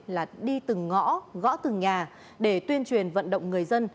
là đi từng ngõ gõ từng nhà để tuyên truyền vận động người dân